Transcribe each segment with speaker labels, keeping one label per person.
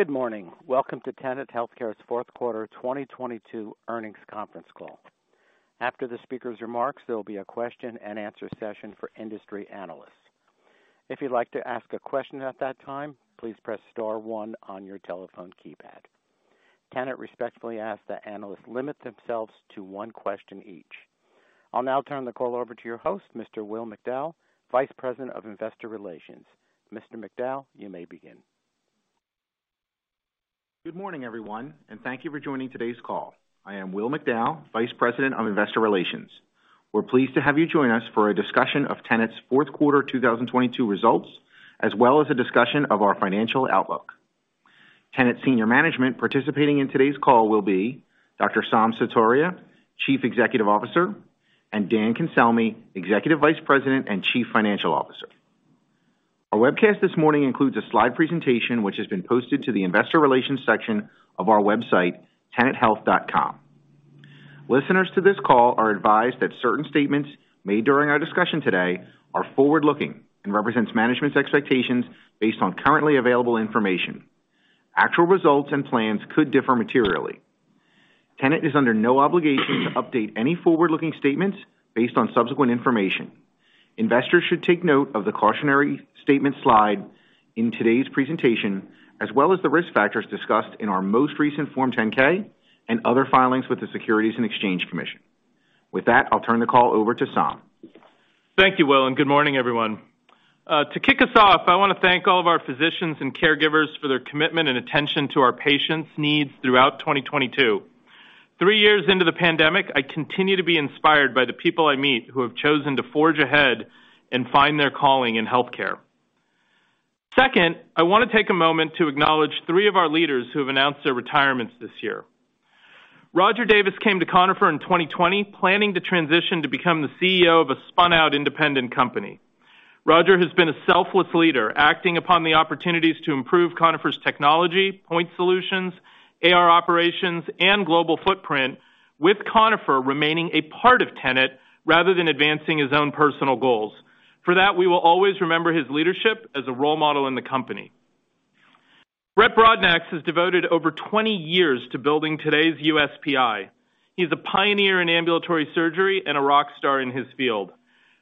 Speaker 1: Good morning. Welcome to Tenet Healthcare's Fourth Quarter 2022 Earnings Conference Call. After the speaker's remarks, there'll be a question and answer session for industry analysts. If you'd like to ask a question at that time, please press star one on your telephone keypad. Tenet respectfully ask that analysts limit themselves to one question each. I'll now turn the call over to your host, Mr. Will McDowell, Vice President of Investor Relations. Mr. McDowell, you may begin.
Speaker 2: Good morning, everyone, and thank you for joining today's call. I am Will McDowell, Vice President of Investor Relations. We're pleased to have you join us for a discussion of Tenet's fourth quarter 2022 results, as well as a discussion of our financial outlook. Tenet senior management participating in today's call will be Dr. Saum Sutaria, Chief Executive Officer, and Dan Cancelmi, Executive Vice President and Chief Financial Officer. Our webcast this morning includes a slide presentation which has been posted to the Investor Relations section of our website, tenethealth.com. Listeners to this call are advised that certain statements made during our discussion today are forward-looking and represents management's expectations based on currently available information. Actual results and plans could differ materially. Tenet is under no obligation to update any forward-looking statements based on subsequent information. Investors should take note of the cautionary statement slide in today's presentation, as well as the risk factors discussed in our most recent Form 10-K and other filings with the Securities and Exchange Commission. With that, I'll turn the call over to Saum.
Speaker 3: Thank you, Will, and good morning, everyone. To kick us off, I wanna thank all of our physicians and caregivers for their commitment and attention to our patients' needs throughout 2022. Three years into the pandemic, I continue to be inspired by the people I meet who have chosen to forge ahead and find their calling in healthcare. Second, I wanna take a moment to acknowledge three of our leaders who have announced their retirements this year. Roger Davis came to Conifer in 2020, planning to transition to become the CEO of a spun out independent company. Roger has been a selfless leader, acting upon the opportunities to improve Conifer's technology, point solutions, AR operations, and global footprint, with Conifer remaining a part of Tenet rather than advancing his own personal goals. For that, we will always remember his leadership as a role model in the company. Brett Brodnax has devoted over 20 years to building today's USPI. He's a pioneer in ambulatory surgery and a rock star in his field.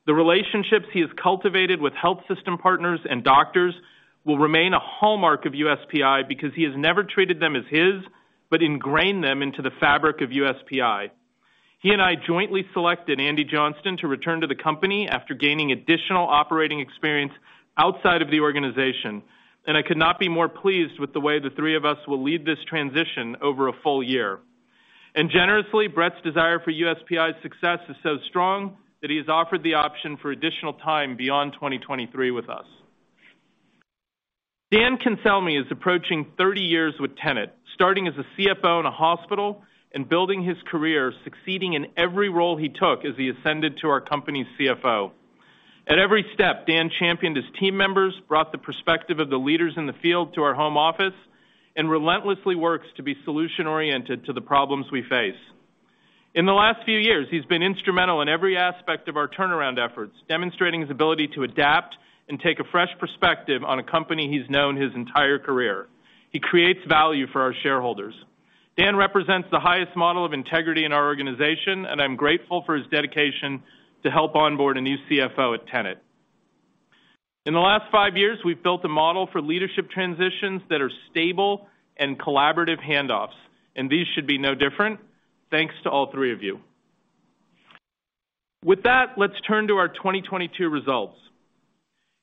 Speaker 3: The relationships he has cultivated with health system partners and doctors will remain a hallmark of USPI because he has never treated them as his, but ingrained them into the fabric of USPI. He and I jointly selected Andy Johnston to return to the company after gaining additional operating experience outside of the organization, and I could not be more pleased with the way the three of us will lead this transition over a full year. Generously, Brett's desire for USPI's success is so strong that he has offered the option for additional time beyond 2023 with us. Dan Cancelmi is approaching 30 years with Tenet, starting as a CFO in a hospital and building his career, succeeding in every role he took as he ascended to our company's CFO. At every step, Dan championed his team members, brought the perspective of the leaders in the field to our home office, and relentlessly works to be solution-oriented to the problems we face. In the last few years, he's been instrumental in every aspect of our turnaround efforts, demonstrating his ability to adapt and take a fresh perspective on a company he's known his entire career. He creates value for our shareholders. Dan represents the highest model of integrity in our organization, and I'm grateful for his dedication to help onboard a new CFO at Tenet. In the last five years, we've built a model for leadership transitions that are stable and collaborative handoffs. These should be no different. Thanks to all three of you. With that, let's turn to our 2022 results.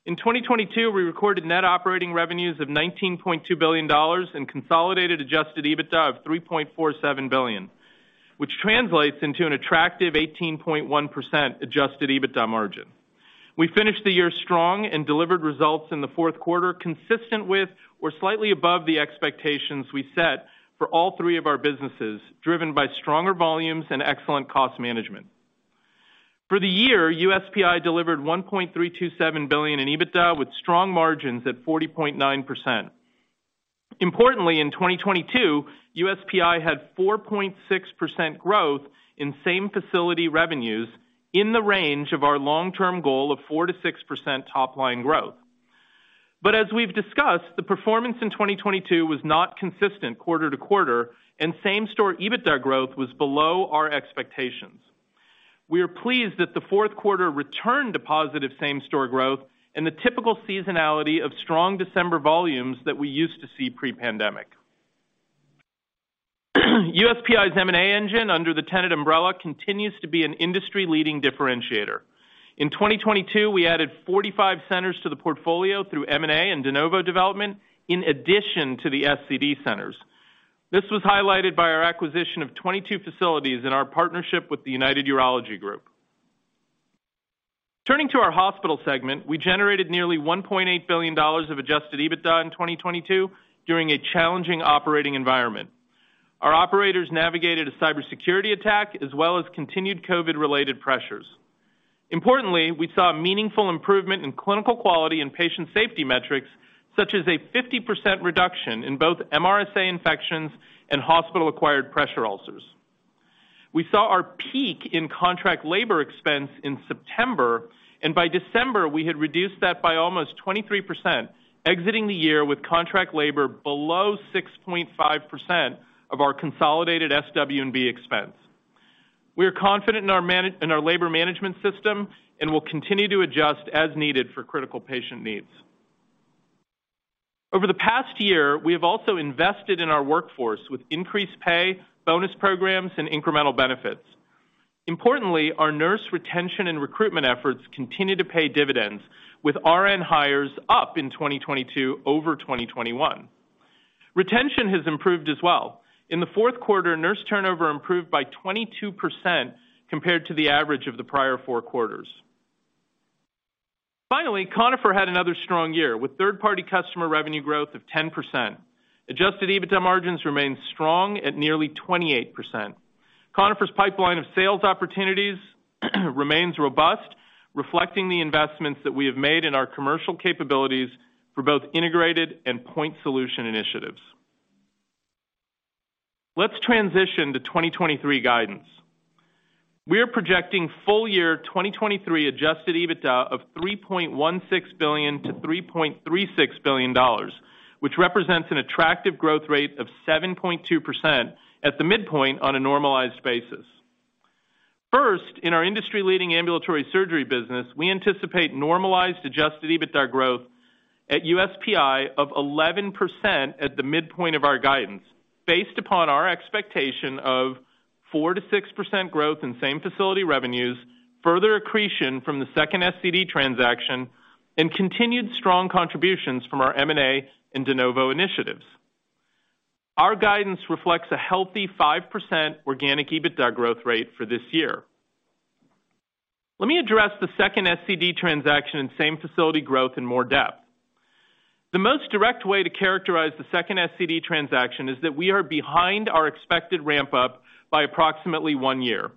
Speaker 3: In 2022, we recorded net operating revenues of $19.2 billion and consolidated adjusted EBITDA of $3.47 billion, which translates into an attractive 18.1% adjusted EBITDA margin. We finished the year strong and delivered results in the fourth quarter consistent with or slightly above the expectations we set for all three of our businesses, driven by stronger volumes and excellent cost management. For the year, USPI delivered $1.327 billion in EBITDA with strong margins at 40.9%. Importantly, in 2022, USPI had 4.6% growth in same facility revenues in the range of our long-term goal of 4%-6% top line growth. As we've discussed, the performance in 2022 was not consistent quarter to quarter, and same store EBITDA growth was below our expectations. We are pleased that the fourth quarter returned to positive same store growth and the typical seasonality of strong December volumes that we used to see pre-pandemic. USPI's M&A engine under the Tenet umbrella continues to be an industry-leading differentiator. In 2022, we added 45 centers to the portfolio through M&A and de novo development, in addition to the SCD centers. This was highlighted by our acquisition of 22 facilities in our partnership with the United Urology Group. Turning to our hospital segment, we generated nearly $1.8 billion of adjusted EBITDA in 2022 during a challenging operating environment. Our operators navigated a cybersecurity attack as well as continued COVID-related pressures. Importantly, we saw a meaningful improvement in clinical quality and patient safety metrics, such as a 50% reduction in both MRSA infections and hospital-acquired pressure ulcers. We saw our peak in contract labor expense in September, and by December, we had reduced that by almost 23%, exiting the year with contract labor below 6.5% of our consolidated SW&B expense. We are confident in our in our labor management system, and we'll continue to adjust as needed for critical patient needs. Over the past year, we have also invested in our workforce with increased pay, bonus programs, and incremental benefits. Importantly, our nurse retention and recruitment efforts continue to pay dividends, with RN hires up in 2022 over 2021. Retention has improved as well. In the fourth quarter, nurse turnover improved by 22% compared to the average of the prior four quarters. Finally, Conifer had another strong year, with third-party customer revenue growth of 10%. Adjusted EBITDA margins remained strong at nearly 28%. Conifer's pipeline of sales opportunities remains robust, reflecting the investments that we have made in our commercial capabilities for both integrated and point solution initiatives. Let's transition to 2023 guidance. We are projecting full year 2023 adjusted EBITDA of $3.16 billion-$3.36 billion, which represents an attractive growth rate of 7.2% at the midpoint on a normalized basis. First, in our industry-leading ambulatory surgery business, we anticipate normalized adjusted EBITDA growth at USPI of 11% at the midpoint of our guidance, based upon our expectation of 4%-6% growth in same-facility revenues, further accretion from the second SCD transaction, and continued strong contributions from our M&A and de novo initiatives. Our guidance reflects a healthy 5% organic EBITDA growth rate for this year. Let me address the second SCD transaction and same-facility growth in more depth. The most direct way to characterize the second SCD transaction is that we are behind our expected ramp-up by approximately one year.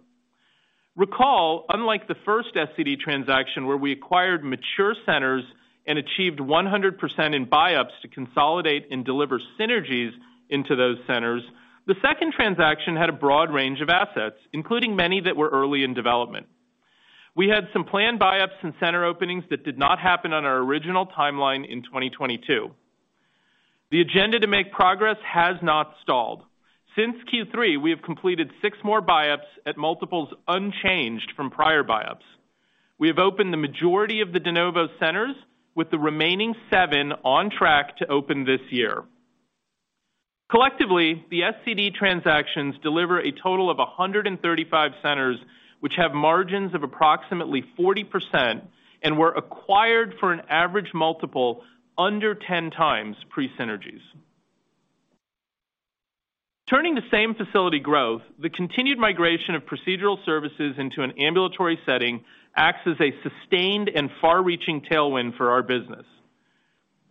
Speaker 3: Recall, unlike the first SCD transaction, where we acquired mature centers and achieved 100% in buyups to consolidate and deliver synergies into those centers, the second transaction had a broad range of assets, including many that were early in development. We had some planned buyups and center openings that did not happen on our original timeline in 2022. The agenda to make progress has not stalled. Since Q3, we have completed six more buyups at multiples unchanged from prior buyups. We have opened the majority of the de novo centers, with the remaining seven on track to open this year. Collectively, the SCD transactions deliver a total of 135 centers, which have margins of approximately 40% and were acquired for an average multiple under 10x pre-synergies. Turning to same-facility growth, the continued migration of procedural services into an ambulatory setting acts as a sustained and far-reaching tailwind for our business.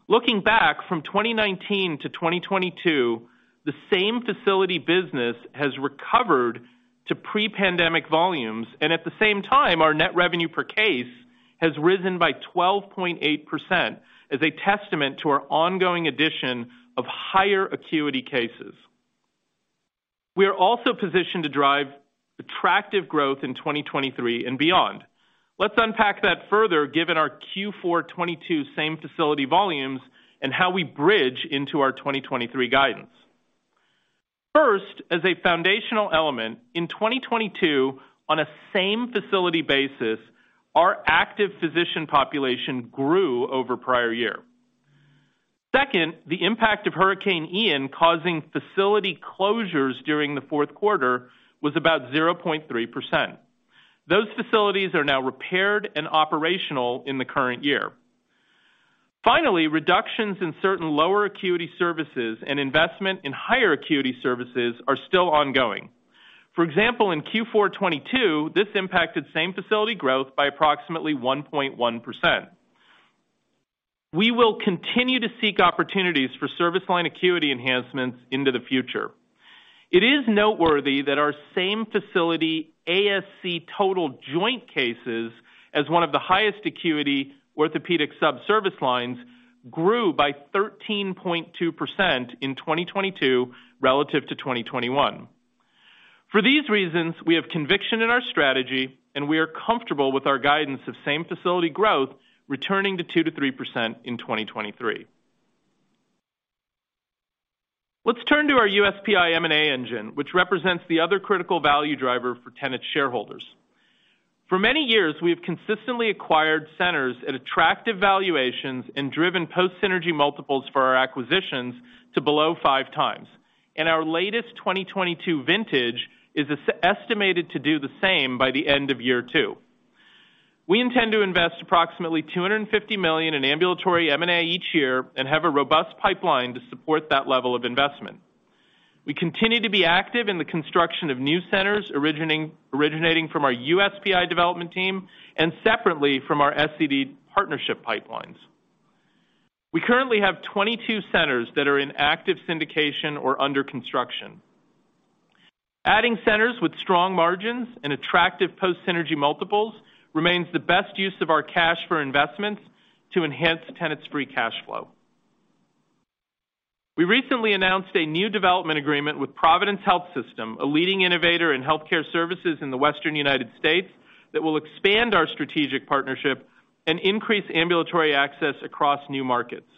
Speaker 3: Looking back from 2019 to 2022, the same-facility business has recovered to pre-pandemic volumes. At the same time, our net revenue per case has risen by 12.8% as a testament to our ongoing addition of higher acuity cases. We are also positioned to drive attractive growth in 2023 and beyond. Let's unpack that further given our Q4 2022 same-facility volumes and how we bridge into our 2023 guidance. First, as a foundational element, in 2022, on a same-facility basis, our active physician population grew over prior year. Second, the impact of Hurricane Ian causing facility closures during the fourth quarter was about 0.3%. Those facilities are now repaired and operational in the current year. Finally, reductions in certain lower acuity services and investment in higher acuity services are still ongoing. For example, in Q4 2022, this impacted same-facility growth by approximately 1.1%. We will continue to seek opportunities for service line acuity enhancements into the future. It is noteworthy that our same-facility ASC total joint cases, as one of the highest acuity orthopedic subservice lines, grew by 13.2% in 2022 relative to 2021. For these reasons, we have conviction in our strategy, and we are comfortable with our guidance of same-facility growth returning to 2%-3% in 2023. Let's turn to our USPI M&A engine, which represents the other critical value driver for Tenet shareholders. For many years, we have consistently acquired centers at attractive valuations and driven post-synergy multiples for our acquisitions to below 5x. Our latest 2022 vintage is estimated to do the same by the end of year two. We intend to invest approximately $250 million in ambulatory M&A each year and have a robust pipeline to support that level of investment. We continue to be active in the construction of new centers originating from our USPI development team and separately from our SCD partnership pipelines. We currently have 22 centers that are in active syndication or under construction. Adding centers with strong margins and attractive post-synergy multiples remains the best use of our cash for investments to enhance Tenet's free cash flow. We recently announced a new development agreement with Providence Health System, a leading innovator in healthcare services in the Western United States, that will expand our strategic partnership and increase ambulatory access across new markets.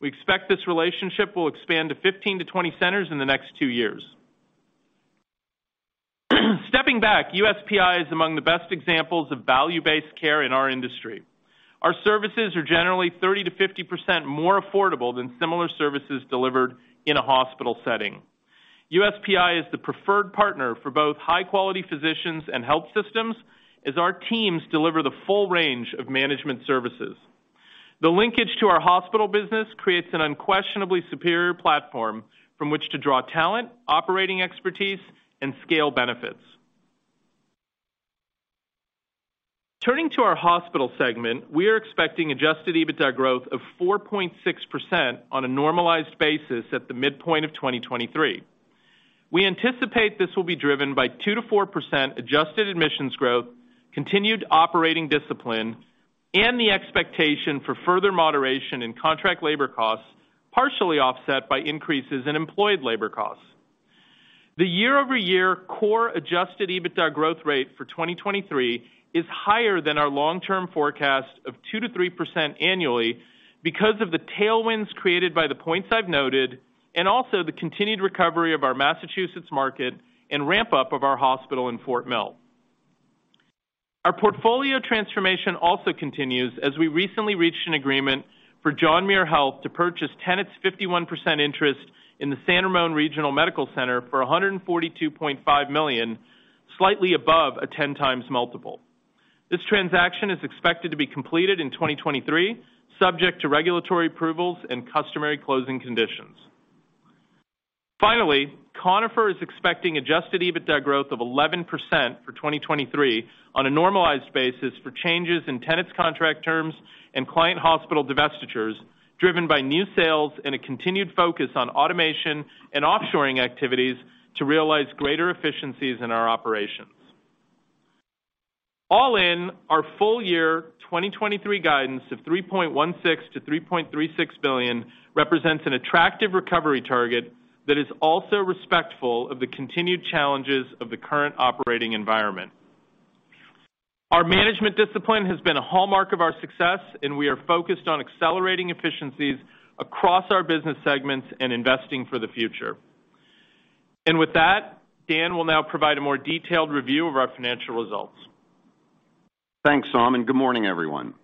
Speaker 3: We expect this relationship will expand to 15-20 centers in the next two years. Stepping back, USPI is among the best examples of value-based care in our industry. Our services are generally 30%-50% more affordable than similar services delivered in a hospital setting. USPI is the preferred partner for both high-quality physicians and health systems as our teams deliver the full range of management services. The linkage to our hospital business creates an unquestionably superior platform from which to draw talent, operating expertise, and scale benefits. Turning to our hospital segment, we are expecting adjusted EBITDA growth of 4.6% on a normalized basis at the midpoint of 2023. We anticipate this will be driven by 2%-4% adjusted admissions growth, continued operating discipline, and the expectation for further moderation in contract labor costs, partially offset by increases in employed labor costs. The year-over-year core adjusted EBITDA growth rate for 2023 is higher than our long-term forecast of 2%-3% annually because of the tailwinds created by the points I've noted, and also the continued recovery of our Massachusetts market and ramp-up of our hospital in Fort Mill. Our portfolio transformation also continues as we recently reached an agreement for John Muir Health to purchase Tenet's 51% interest in the San Ramon Regional Medical Center for $142.5 million, slightly above a 10x multiple. This transaction is expected to be completed in 2023, subject to regulatory approvals and customary closing conditions. Finally, Conifer is expecting adjusted EBITDA growth of 11% for 2023 on a normalized basis for changes in Tenet's contract terms and client hospital divestitures, driven by new sales and a continued focus on automation and offshoring activities to realize greater efficiencies in our operations. All in, our full year 2023 guidance of $3.16 billion-$3.36 billion represents an attractive recovery target that is also respectful of the continued challenges of the current operating environment. Our management discipline has been a hallmark of our success, and we are focused on accelerating efficiencies across our business segments and investing for the future. With that, Dan will now provide a more detailed review of our financial results.
Speaker 4: Thanks, Saum, good morning, everyone.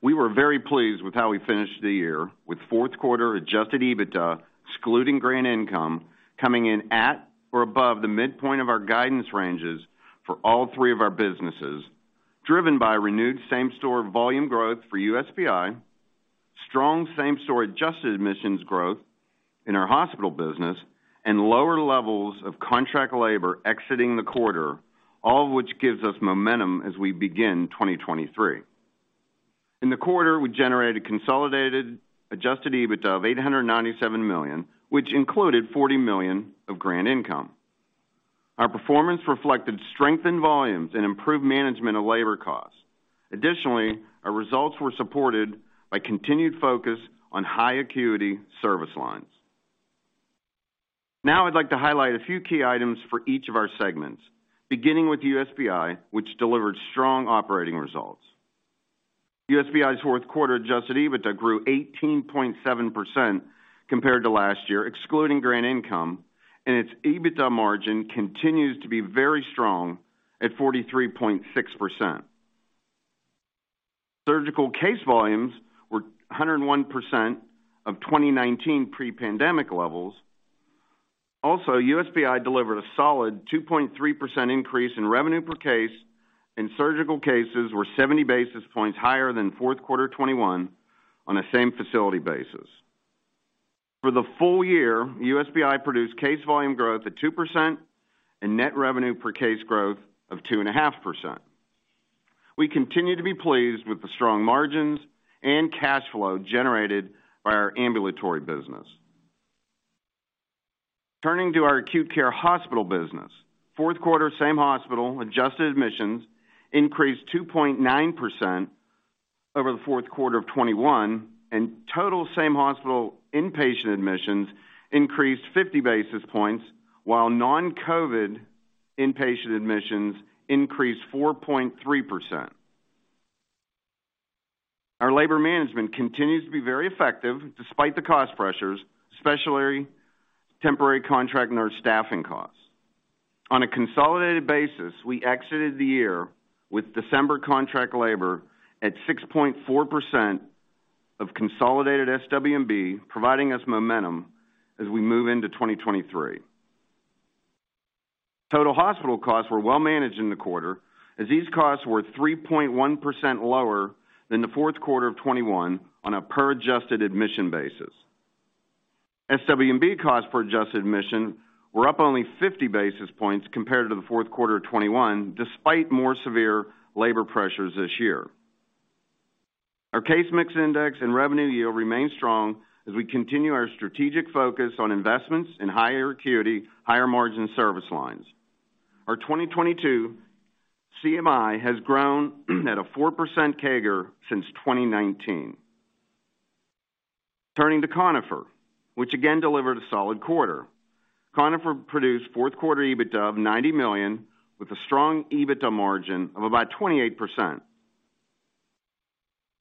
Speaker 4: We were very pleased with how we finished the year, with fourth quarter adjusted EBITDA, excluding grant income, coming in at or above the midpoint of our guidance ranges for all three of our businesses, driven by renewed same-store volume growth for USPI, strong same-store adjusted admissions growth in our hospital business, and lower levels of contract labor exiting the quarter, all of which gives us momentum as we begin 2023. In the quarter, we generated consolidated adjusted EBITDA of $897 million, which included $40 million of grant income. Our performance reflected strength in volumes and improved management of labor costs. Our results were supported by continued focus on high acuity service lines. I'd like to highlight a few key items for each of our segments, beginning with USPI, which delivered strong operating results. USPI's fourth quarter adjusted EBITDA grew 18.7% compared to last year, excluding grant income, and its EBITDA margin continues to be very strong at 43.6%. Surgical case volumes were 101% of 2019 pre-pandemic levels. Also, USPI delivered a solid 2.3% increase in revenue per case, and surgical cases were 70 basis points higher than fourth quarter 2021 on a same-facility basis. For the full year, USPI produced case volume growth of 2% and net revenue per case growth of 2.5%. We continue to be pleased with the strong margins and cash flow generated by our ambulatory business. Turning to our acute care hospital business, fourth quarter same-hospital adjusted admissions increased 2.9% over the fourth quarter of 2021. Total same-hospital inpatient admissions increased 50 basis points, while non-COVID inpatient admissions increased 4.3%. Our labor management continues to be very effective despite the cost pressures, especially temporary contract nurse staffing costs. On a consolidated basis, we exited the year with December contract labor at 6.4% of consolidated SW&B, providing us momentum as we move into 2023. Total hospital costs were well managed in the quarter, as these costs were 3.1% lower than the fourth quarter of 2021 on a per adjusted admission basis. SW&B costs per adjusted admission were up only 50 basis points compared to the fourth quarter of 2021, despite more severe labor pressures this year. Our case mix index and revenue yield remain strong as we continue our strategic focus on investments in higher acuity, higher margin service lines. Our 2022 CMI has grown at a 4% CAGR since 2019. Turning to Conifer, which again delivered a solid quarter. Conifer produced fourth quarter EBITDA of $90 million, with a strong EBITDA margin of about 28%.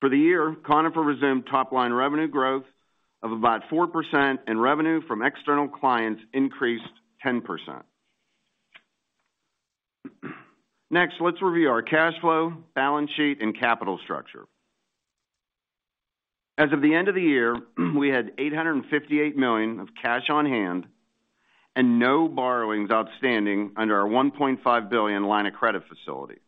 Speaker 4: For the year, Conifer resumed top line revenue growth of about 4%, and revenue from external clients increased 10%. Next, let's review our cash flow, balance sheet, and capital structure. As of the end of the year, we had $858 million of cash on hand and no borrowings outstanding under our $1.5 billion line of credit facility.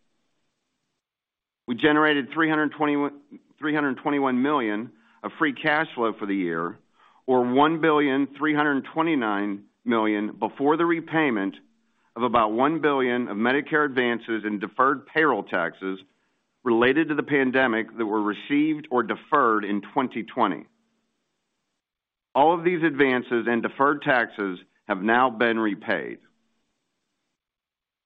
Speaker 4: We generated $321 million of free cash flow for the year, or $1.329 billion before the repayment of about $1 billion of Medicare advances in deferred payroll taxes related to the pandemic that were received or deferred in 2020. All of these advances and deferred taxes have now been repaid.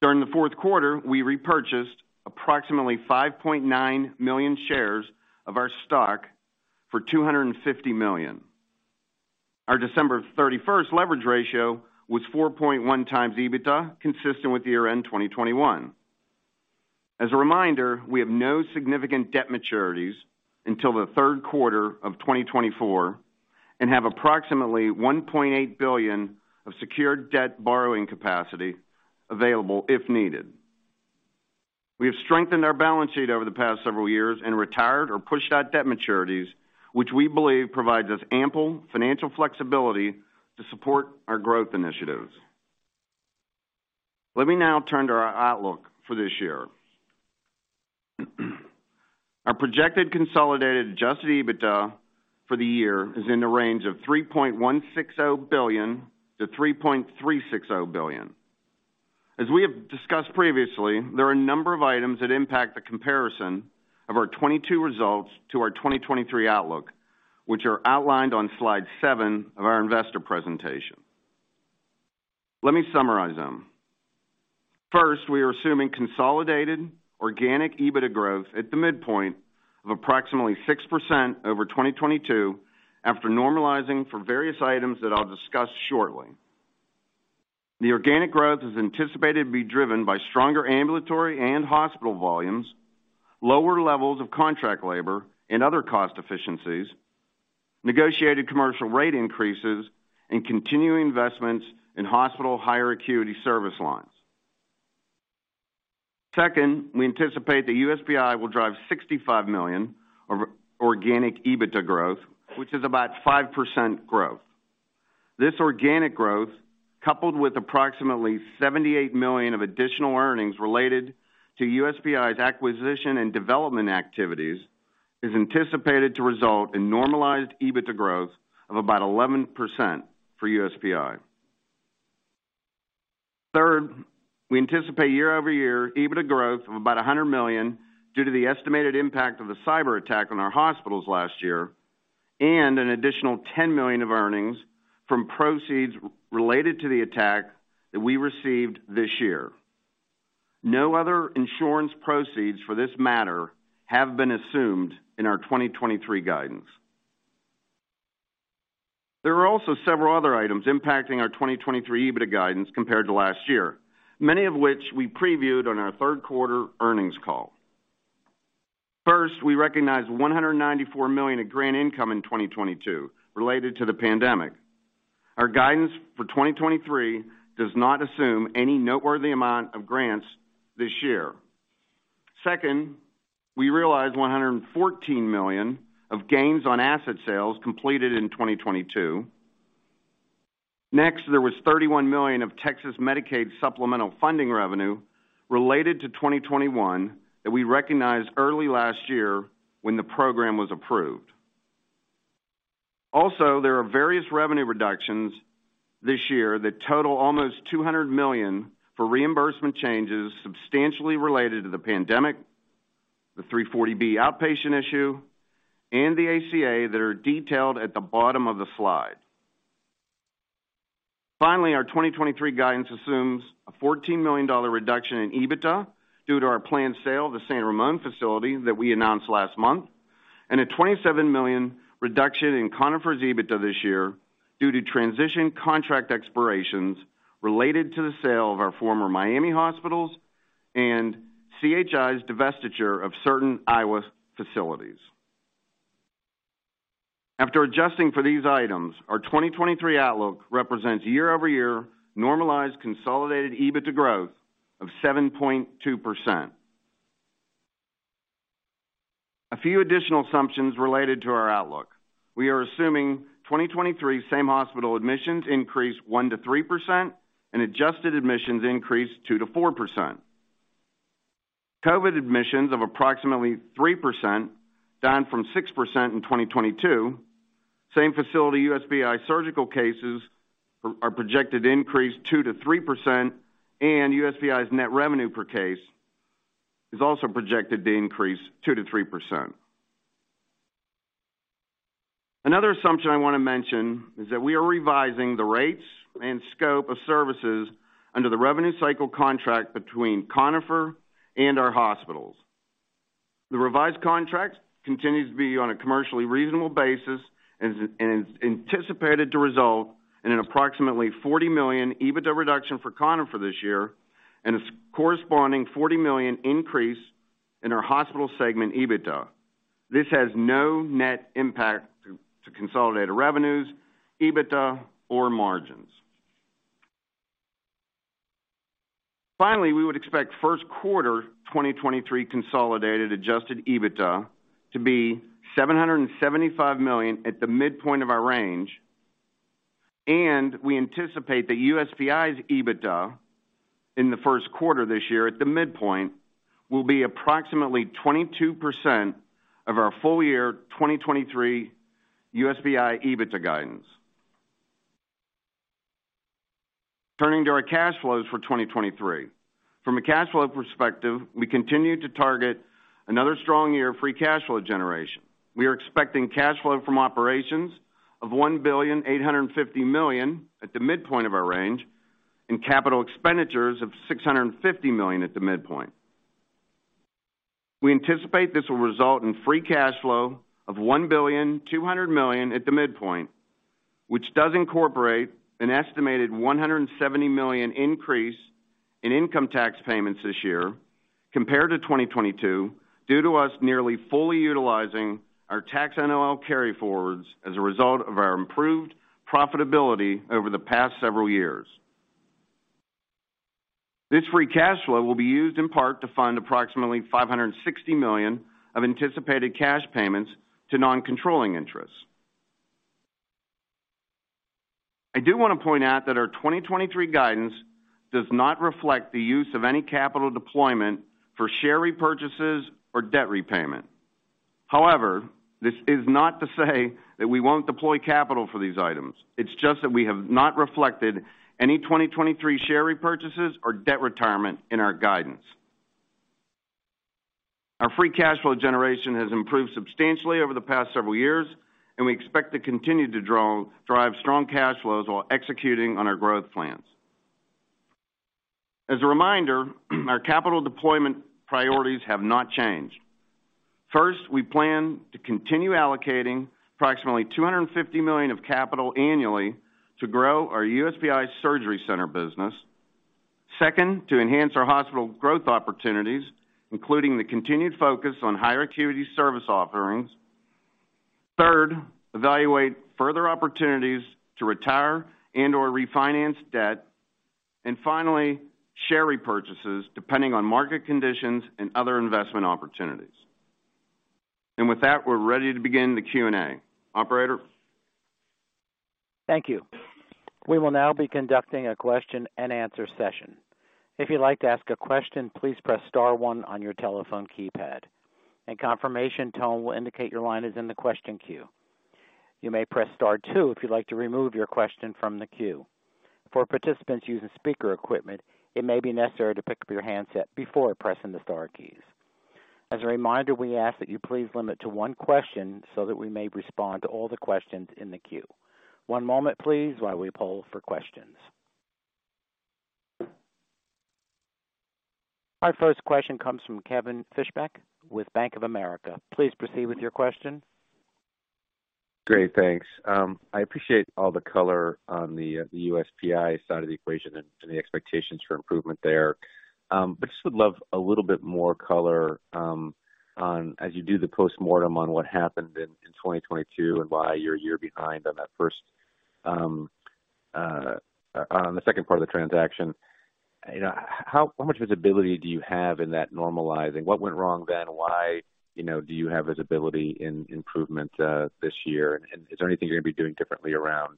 Speaker 4: During the fourth quarter, we repurchased approximately 5.9 million shares of our stock for $250 million. Our December 31st leverage ratio was 4.1x EBITDA, consistent with year-end 2021. As a reminder, we have no significant debt maturities until the third quarter of 2024 and have approximately $1.8 billion of secured debt borrowing capacity available if needed. We have strengthened our balance sheet over the past several years and retired or pushed out debt maturities, which we believe provides us ample financial flexibility to support our growth initiatives. Let me now turn to our outlook for this year. Our projected consolidated adjusted EBITDA for the year is in the range of $3.160 billion-$3.360 billion. As we have discussed previously, there are a number of items that impact the comparison of our 2022 results to our 2023 outlook, which are outlined on slide seven of our investor presentation. Let me summarize them. First, we are assuming consolidated organic EBITDA growth at the midpoint of approximately 6% over 2022 after normalizing for various items that I'll discuss shortly. The organic growth is anticipated to be driven by stronger ambulatory and hospital volumes, lower levels of contract labor and other cost efficiencies, negotiated commercial rate increases, and continuing investments in hospital higher acuity service lines. Second, we anticipate that USPI will drive $65 million of organic EBITDA growth, which is about 5% growth. This organic growth, coupled with approximately $78 million of additional earnings related to USPI's acquisition and development activities, is anticipated to result in normalized EBITDA growth of about 11% for USPI. Third, we anticipate year-over-year EBITDA growth of about $100 million due to the estimated impact of the cyber attack on our hospitals last year, and an additional $10 million of earnings from proceeds related to the attack that we received this year. No other insurance proceeds for this matter have been assumed in our 2023 guidance. There are also several other items impacting our 2023 EBITDA guidance compared to last year, many of which we previewed on our third quarter earnings call. First, we recognized $194 million in grant income in 2022 related to the pandemic. Our guidance for 2023 does not assume any noteworthy amount of grants this year. Second, we realized $114 million of gains on asset sales completed in 2022. Next, there was $31 million of Texas Medicaid supplemental funding revenue related to 2021 that we recognized early last year when the program was approved. There are various revenue reductions this year that total almost $200 million for reimbursement changes substantially related to the pandemic, the 340B outpatient issue, and the ACA that are detailed at the bottom of the slide. Finally, our 2023 guidance assumes a $14 million reduction in EBITDA due to our planned sale of the San Ramon facility that we announced last month, and a $27 million reduction in Conifer's EBITDA this year due to transition contract expirations related to the sale of our former Miami hospitals and CHI's divestiture of certain Iowa facilities. After adjusting for these items, our 2023 outlook represents year-over-year normalized consolidated EBITDA growth of 7.2%. A few additional assumptions related to our outlook. We are assuming 2023 same hospital admissions increase 1%-3% and adjusted admissions increase 2%-4%. COVID admissions of approximately 3%, down from 6% in 2022. Same-facility USPI surgical cases are projected to increase 2%-3%, and USPI's net revenue per case is also projected to increase 2%-3%. Another assumption I want to mention is that we are revising the rates and scope of services under the revenue cycle contract between Conifer and our hospitals. The revised contract continues to be on a commercially reasonable basis and is anticipated to result in an approximately $40 million EBITDA reduction for Conifer this year and a corresponding $40 million increase in our hospital segment EBITDA. This has no net impact to consolidated revenues, EBITDA, or margins. Finally, we would expect first quarter 2023 consolidated adjusted EBITDA to be $775 million at the midpoint of our range, and we anticipate that USPI's EBITDA in the first quarter this year at the midpoint will be approximately 22% of our full year 2023 USPI EBITDA guidance. Turning to our cash flows for 2023. From a cash flow perspective, we continue to target another strong year of free cash flow generation. We are expecting cash flow from operations of $1.85 billion at the midpoint of our range and capital expenditures of $650 million at the midpoint. We anticipate this will result in free cash flow of $1.2 billion at the midpoint, which does incorporate an estimated $170 million increase in income tax payments this year compared to 2022 due to us nearly fully utilizing our tax NOL carryforwards as a result of our improved profitability over the past several years. This free cash flow will be used in part to fund approximately $560 million of anticipated cash payments to non-controlling interests. I do wanna point out that our 2023 guidance does not reflect the use of any capital deployment for share repurchases or debt repayment. This is not to say that we won't deploy capital for these items. It's just that we have not reflected any 2023 share repurchases or debt retirement in our guidance. Our free cash flow generation has improved substantially over the past several years, we expect to continue to drive strong cash flows while executing on our growth plans. As a reminder, our capital deployment priorities have not changed. First, we plan to continue allocating approximately $250 million of capital annually to grow our USPI surgery center business. Second, to enhance our hospital growth opportunities, including the continued focus on higher acuity service offerings. Third, evaluate further opportunities to retire and/or refinance debt. Finally, share repurchases depending on market conditions and other investment opportunities. With that, we're ready to begin the Q&A. Operator?
Speaker 1: Thank you. We will now be conducting a question and answer session. If you'd like to ask a question, please press star one on your telephone keypad. A confirmation tone will indicate your line is in the question queue. You may press star two if you'd like to remove your question from the queue. For participants using speaker equipment, it may be necessary to pick up your handset before pressing the star keys. As a reminder, we ask that you please limit to one question so that we may respond to all the questions in the queue. One moment, please, while we poll for questions. Our first question comes from Kevin Fischbeck with Bank of America. Please proceed with your question.
Speaker 5: Great. Thanks. I appreciate all the color on the USPI side of the equation and the expectations for improvement there. Just would love a little bit more color on as you do the postmortem on what happened in 2022 and why you're a year behind on the second part of the transaction, you know, how much visibility do you have in that normalizing? What went wrong then? Why, you know, do you have visibility in improvement this year? Is there anything you're gonna be doing differently around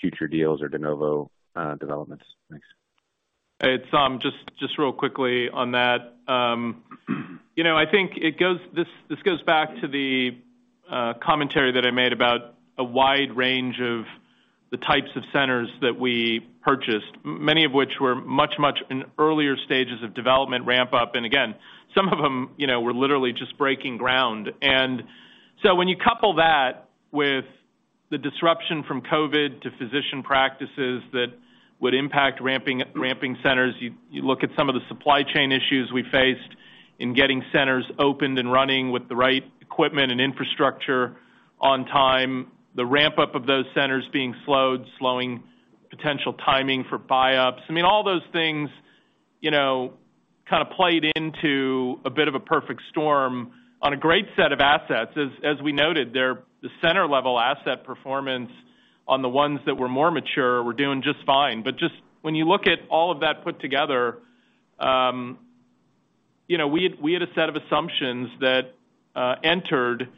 Speaker 5: future deals or de novo developments? Thanks.
Speaker 3: Hey, it's Saum, just real quickly on that. you know, I think it goes back to the commentary that I made about a wide range of the types of centers that we purchased, many of which were much, much in earlier stages of development ramp-up. Again, some of them, you know, were literally just breaking ground. So when you couple that with the disruption from COVID to physician practices that would impact ramping centers, you look at some of the supply chain issues we faced in getting centers opened and running with the right equipment and infrastructure on time, the ramp-up of those centers being slowed, slowing potential timing for buyups. I mean, all those things, you know, kinda played into a bit of a perfect storm on a great set of assets. As we noted there, the center level asset performance on the ones that were more mature were doing just fine. Just when you look at all of that put together, you know, we had a set of assumptions that entered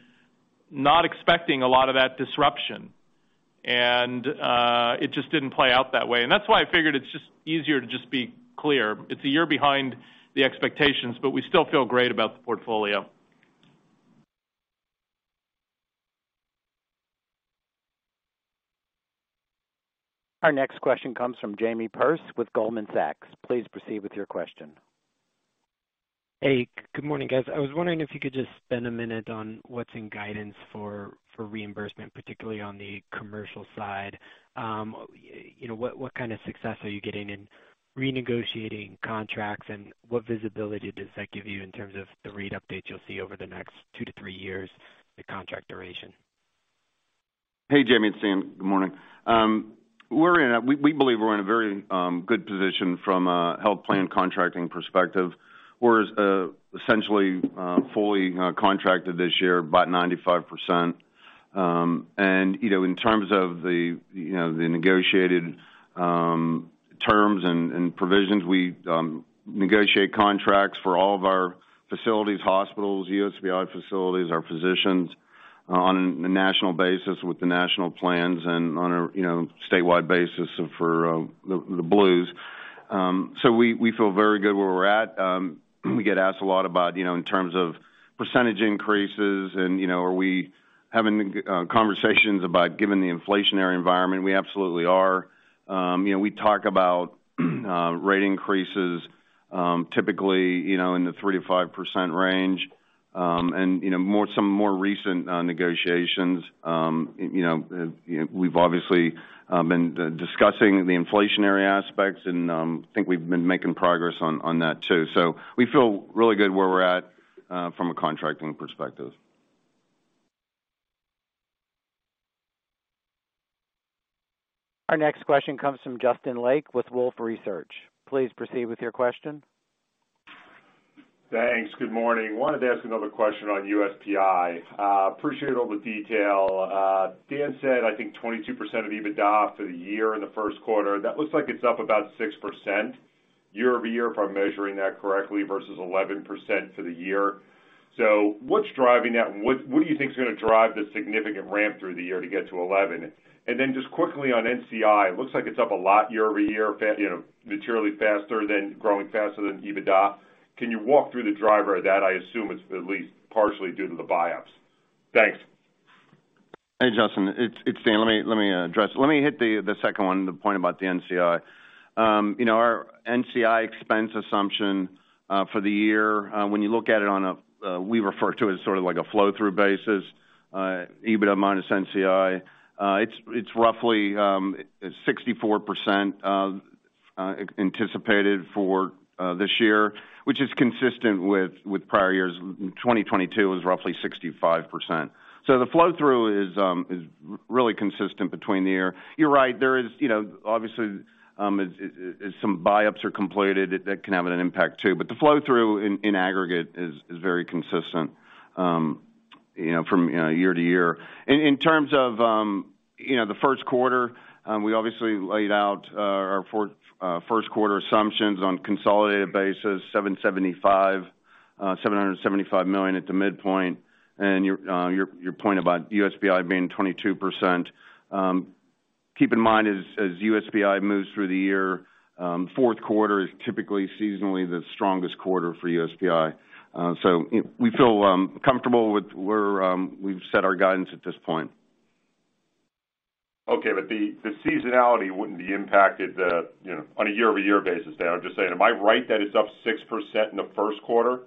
Speaker 3: not expecting a lot of that disruption. It just didn't play out that way. That's why I figured it's just easier to just be clear. It's a year behind the expectations. We still feel great about the portfolio.
Speaker 1: Our next question comes from Jamie Perse with Goldman Sachs. Please proceed with your question.
Speaker 6: Hey, good morning, guys. I was wondering if you could just spend a minute on what's in guidance for reimbursement, particularly on the commercial side. you know, what kind of success are you getting in renegotiating contracts? What visibility does that give you in terms of the rate updates you'll see over the next two to three years, the contract duration?
Speaker 4: Hey, Jamie, it's Dan. Good morning. We believe we're in a very good position from a health plan contracting perspective. Whereas, essentially, fully contracted this year, about 95%. And, you know, in terms of the, you know, the negotiated terms and provisions, we negotiate contracts for all of our facilities, hospitals, USPI facilities, our physicians on a national basis with the national plans and on a, you know, statewide basis for the blues. We feel very good where we're at. We get asked a lot about, you know, in terms of percentage increases and, you know, are we having conversations about giving the inflationary environment? We absolutely are. You know, we talk about rate increases, typically, you know, in the 3%-5% range. You know, some more recent negotiations, you know, we've obviously been discussing the inflationary aspects, and I think we've been making progress on that too. We feel really good where we're at from a contracting perspective.
Speaker 1: Our next question comes from Justin Lake with Wolfe Research. Please proceed with your question.
Speaker 7: Thanks. Good morning. Wanted to ask another question on USPI. Appreciate all the detail. Dan said, I think 22% of EBITDA for the year in the first quarter. That looks like it's up about 6% year-over-year, if I'm measuring that correctly, versus 11% for the year. What's driving that? What do you think is gonna drive the significant ramp through the year to get to 11%? Just quickly on NCI, it looks like it's up a lot year-over-year, you know, materially faster than growing faster than EBITDA. Can you walk through the driver of that? I assume it's at least partially due to the buyups. Thanks.
Speaker 4: Hey, Justin, it's Dan. Let me hit the second one, the point about the NCI. you know, our NCI expense assumption for the year, when you look at it on a, we refer to as sort of like a flow-through basis, EBITDA minus NCI, it's roughly 64% of anticipated for this year, which is consistent with prior years. 2022 was roughly 65%. The flow-through is really consistent between the year. You're right, there is, you know, obviously, as some buyups are completed, that can have an impact too. The flow-through in aggregate is very consistent, you know, from year to year. In terms of, you know, the first quarter, we obviously laid out our first quarter assumptions on consolidated basis, $775 million at the midpoint. Your point about USPI being 22%, keep in mind as USPI moves through the year, fourth quarter is typically seasonally the strongest quarter for USPI. So we feel comfortable with where we've set our guidance at this point.
Speaker 7: Okay, the seasonality wouldn't be impacted, you know, on a year-over-year basis. I'm just saying, am I right that it's up 6% in the first quarter,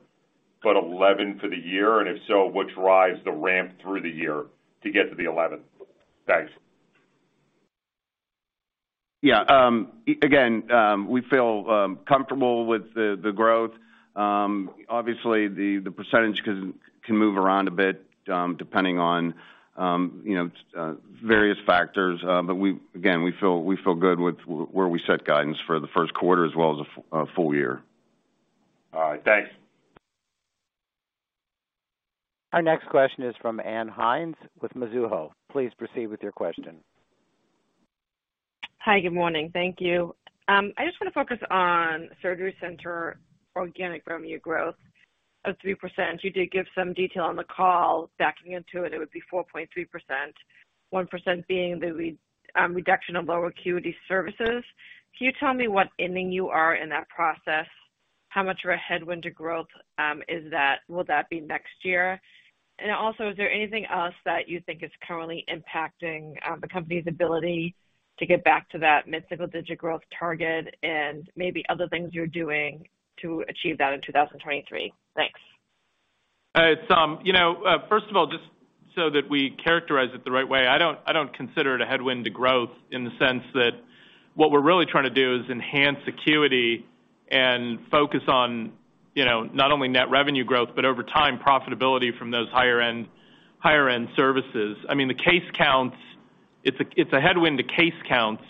Speaker 7: but 11% for the year? If so, what drives the ramp through the year to get to the 11%? Thanks.
Speaker 4: Yeah. Again, we feel comfortable with the growth. Obviously the percentage can move around a bit, depending on, you know, various factors. Again, we feel good with where we set guidance for the first quarter as well as a full year.
Speaker 7: All right. Thanks.
Speaker 1: Our next question is from Ann Hynes with Mizuho. Please proceed with your question.
Speaker 8: Hi, good morning. Thank you. I just wanna focus on surgery center organic revenue growth of 3%. You did give some detail on the call. Backing into it would be 4.3%, 1% being the reduction of low acuity services. Can you tell me what inning you are in that process? How much of a headwind to growth is that? Will that be next year? Also, is there anything else that you think is currently impacting the company's ability to get back to that mid-single-digit growth target and maybe other things you're doing to achieve that in 2023? Thanks.
Speaker 3: It's, you know, first of all, just so that we characterize it the right way, I don't consider it a headwind to growth in the sense that what we're really trying to do is enhance acuity and focus on, you know, not only net revenue growth, but over time, profitability from those higher end services. I mean, the case counts, it's a headwind to case counts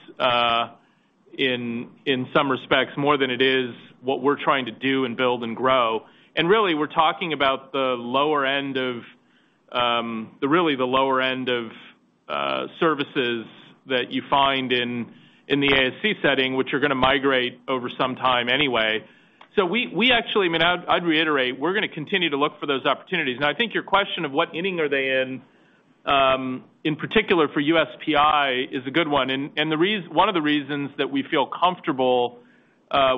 Speaker 3: in some respects, more than it is what we're trying to do and build and grow. Really, we're talking about the lower end of the lower end of services that you find in the ASC setting, which are gonna migrate over some time anyway. We actually, I mean, I'd reiterate, we're gonna continue to look for those opportunities. I think your question of what inning are they in particular for USPI is a good one. One of the reasons that we feel comfortable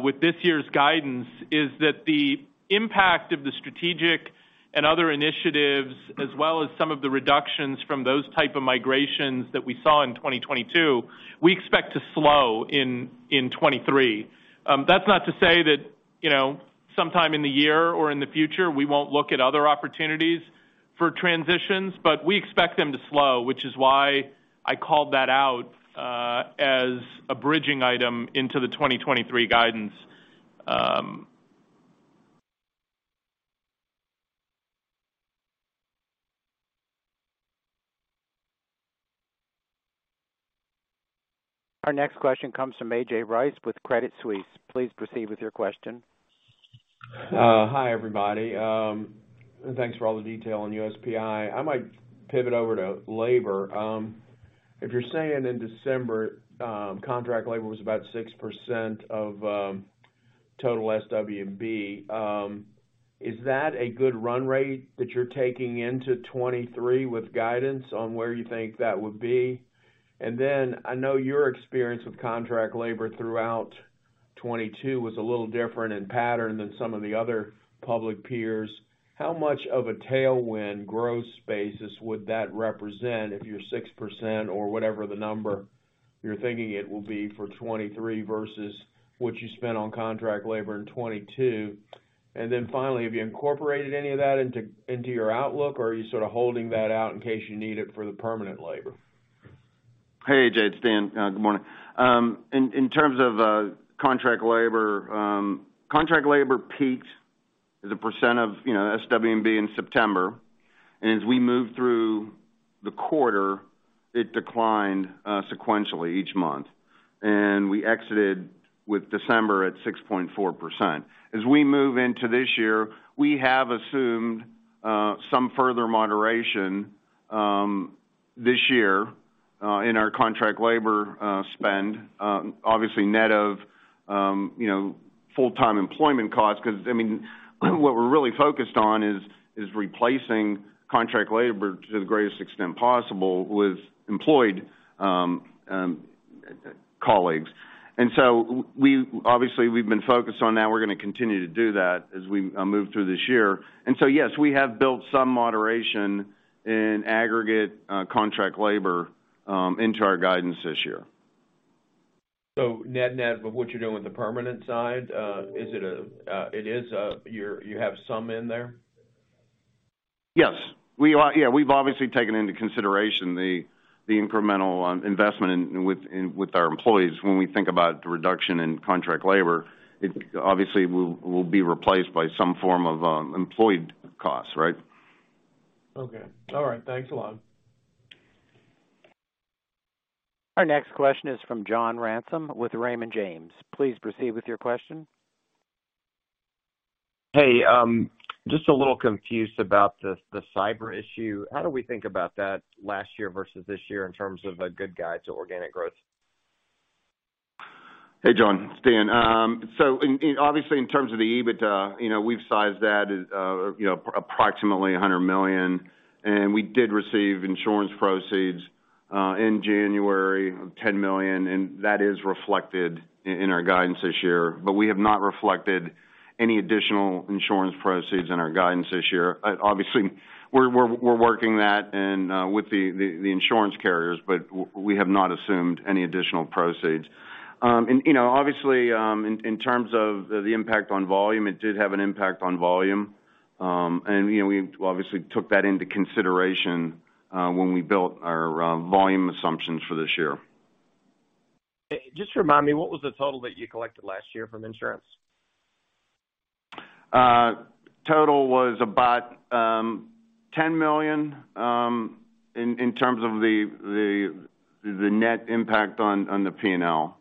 Speaker 3: With this year's guidance is that the impact of the strategic and other initiatives, as well as some of the reductions from those type of migrations that we saw in 2022, we expect to slow in 2023. That's not to say that, you know, sometime in the year or in the future, we won't look at other opportunities for transitions, but we expect them to slow, which is why I called that out as a bridging item into the 2023 guidance.
Speaker 1: Our next question comes from AJ Rice with Credit Suisse. Please proceed with your question.
Speaker 9: Hi, everybody. Thanks for all the detail on USPI. I might pivot over to labor. If you're saying in December, contract labor was about 6% of total SW&B, is that a good run rate that you're taking into 2023 with guidance on where you think that would be? I know your experience with contract labor throughout 2022 was a little different in pattern than some of the other public peers. How much of a tailwind growth spaces would that represent if you're 6% or whatever the number you're thinking it will be for 2023 versus what you spent on contract labor in 2022? Finally, have you incorporated any of that into your outlook, or are you sort of holding that out in case you need it for the permanent labor?
Speaker 4: Hey, AJ, it's Dan. Good morning. In terms of contract labor, contract labor peaked as a percent of, you know, SW&B in September. As we moved through the quarter, it declined sequentially each month. We exited with December at 6.4%. As we move into this year, we have assumed some further moderation this year in our contract labor spend, obviously net of, you know, full-time employment costs, 'cause, I mean, what we're really focused on is replacing contract labor to the greatest extent possible with employed colleagues. So obviously, we've been focused on that. We're gonna continue to do that as we move through this year. Yes, we have built some moderation in aggregate contract labor into our guidance this year.
Speaker 9: Net net with what you're doing with the permanent side, it is, you have some in there?
Speaker 4: Yes. We've obviously taken into consideration the incremental investment with our employees when we think about the reduction in contract labor. It obviously will be replaced by some form of employed costs, right?
Speaker 9: Okay. All right. Thanks a lot.
Speaker 1: Our next question is from John Ransom with Raymond James. Please proceed with your question.
Speaker 10: Hey, just a little confused about the cyber issue. How do we think about that last year versus this year in terms of a good guide to organic growth?
Speaker 4: Hey, John, it's Dan. So obviously, in terms of the EBITDA, you know, we've sized that, you know, approximately $100 million, and we did receive insurance proceeds in January of $10 million, and that is reflected in our guidance this year. We have not reflected any additional insurance proceeds in our guidance this year. Obviously, we're working that and with the insurance carriers, but we have not assumed any additional proceeds. You know, obviously, in terms of the impact on volume, it did have an impact on volume. You know, we obviously took that into consideration when we built our volume assumptions for this year.
Speaker 10: Just remind me, what was the total that you collected last year from insurance?
Speaker 4: Total was about, $10 million, in terms of the net impact on the P&L.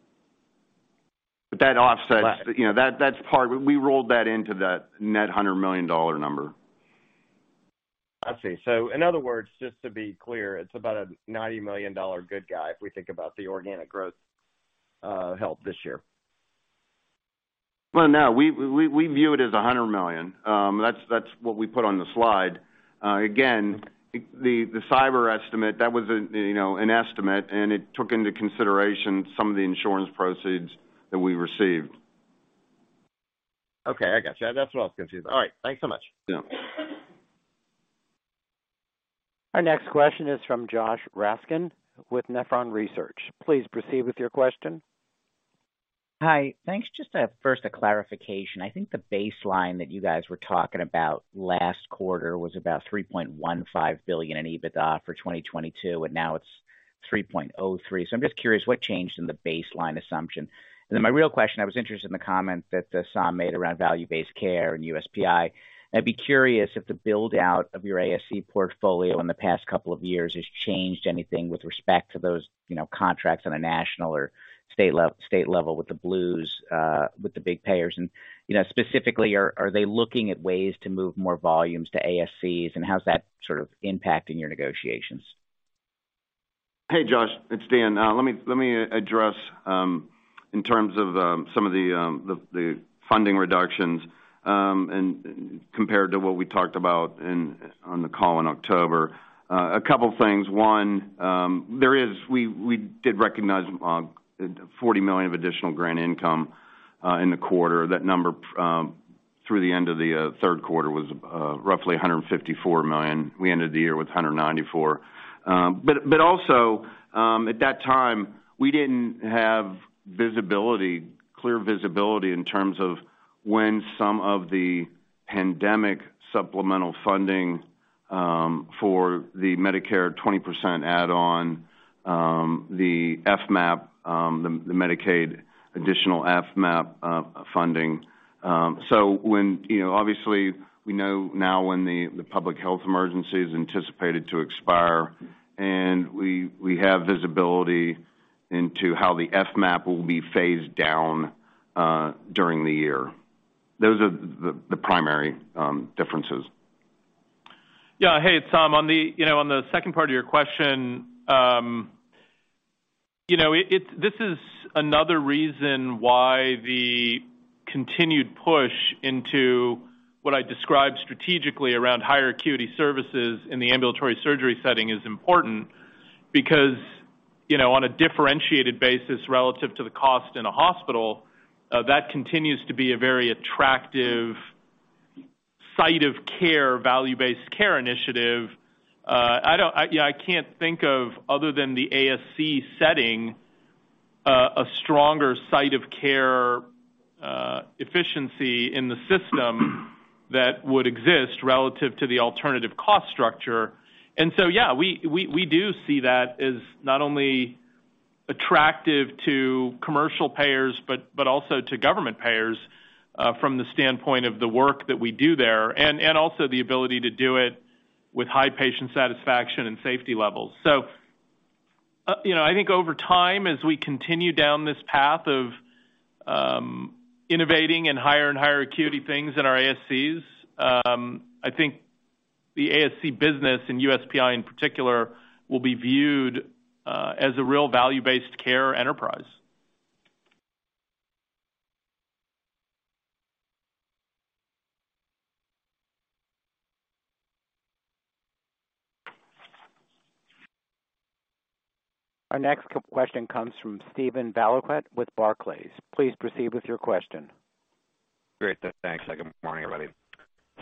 Speaker 10: Right.
Speaker 4: You know, We rolled that into that net $100 million number.
Speaker 10: I see. In other words, just to be clear, it's about a $90 million good guide if we think about the organic growth, help this year.
Speaker 4: Well, no, we view it as $100 million. That's what we put on the slide. Again, the cyber estimate, that was you know, an estimate, and it took into consideration some of the insurance proceeds that we received.
Speaker 10: I got you. That's what I was confused about. Thanks so much.
Speaker 4: Yeah.
Speaker 1: Our next question is from Josh Raskin with Nephron Research. Please proceed with your question.
Speaker 11: Hi. Thanks. Just, first a clarification. I think the baseline that you guys were talking about last quarter was about $3.15 billion in EBITDA for 2022, and now it's $3.03 billion. I'm just curious, what changed in the baseline assumption? My real question, I was interested in the comment that Saum made around value-based care and USPI. I'd be curious if the build-out of your ASC portfolio in the past couple of years has changed anything with respect to those, you know, contracts on a national or state level with the blues, with the big payers. You know, specifically, are they looking at ways to move more volumes to ASCs, and how's that sort of impacting your negotiations?
Speaker 4: Hey, Josh. It's Dan. Let me address in terms of some of the funding reductions compared to what we talked about on the call in October. A couple things. One, We did recognize $40 million of additional grant income in the quarter. That number, Through the end of the third quarter was roughly $154 million. We ended the year with $194 million. Also, at that time, we didn't have visibility, clear visibility in terms of when some of the pandemic supplemental funding for the Medicare 20% add-on, the FMAP, the Medicaid additional FMAP funding. When, you know, obviously, we know now when the public health emergency is anticipated to expire, and we have visibility into how the FMAP will be phased down during the year. Those are the primary differences.
Speaker 3: Yeah. Hey, it's Saum. On the, you know, on the second part of your question, you know, this is another reason why the continued push into what I described strategically around higher acuity services in the ambulatory surgery setting is important because, you know, on a differentiated basis relative to the cost in a hospital, that continues to be a very attractive site of care, value-based care initiative. I can't think of, other than the ASC setting, a stronger site of care, efficiency in the system that would exist relative to the alternative cost structure. Yeah, we do see that as not only attractive to commercial payers, but also to government payers, from the standpoint of the work that we do there, and also the ability to do it with high patient satisfaction and safety levels. You know, I think over time, as we continue down this path of innovating and higher and higher acuity things in our ASCs, I think the ASC business and USPI, in particular, will be viewed as a real value-based care enterprise.
Speaker 1: Our next question comes from Steven Valiquette with Barclays. Please proceed with your question.
Speaker 12: Great. Thanks. Good morning, everybody.